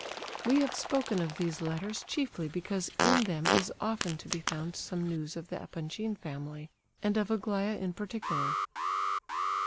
We have spoken of these letters chiefly because in them is often to be found some news of the Epanchin family, and of Aglaya in particular.